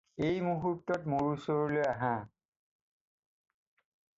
এই মুহূৰ্তত মোৰ ওচৰলৈ আহা!